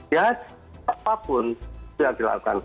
ya apapun yang dilakukan